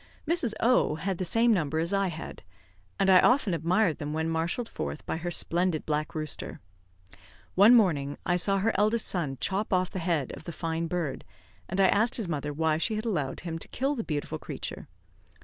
Mrs. O had the same number as I had, and I often admired them when marshalled forth by her splendid black rooster. One morning I saw her eldest son chop off the head of the fine bird; and I asked his mother why she had allowed him to kill the beautiful creature.